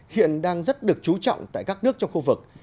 hiện đang rất được trú trọng tại các nước trong khu vực